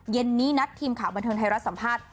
เย็นนี้นัดทีมข่าวบันเทิงไทยรัฐสัมภาษณ์